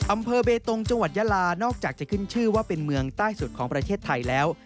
อำเภอเบตงจังหวัดยาลานอกจากจะขึ้นชื่อว่าเป็นเมืองใต้สุดของประเทศไทยแล้ว